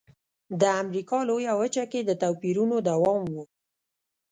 د امریکا لویه وچه کې د توپیرونو دوام و.